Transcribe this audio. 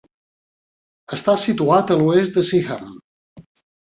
Està situat a l'oest de Seaham.